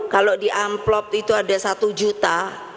kalau di amplop itu ada satu juta